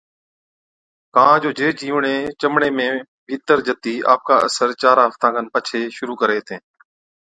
ڪان جو جين جِيوڙين چمڙِي ۾ ڀِيتر جتِي آپڪا اثر چارا هفتا کن پڇي شرُوع ڪرين هِتين۔